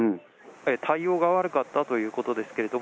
対応が悪かったということですけれども。